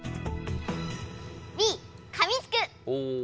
Ｂかみつく！